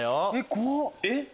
怖っ！